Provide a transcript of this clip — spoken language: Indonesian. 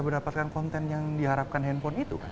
mendapatkan konten yang diharapkan handphone itu